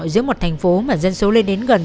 giữa một thành phố mà dân số lên đến gần